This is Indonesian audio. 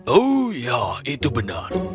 oh ya itu benar